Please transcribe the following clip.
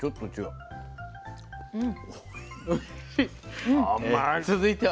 うん。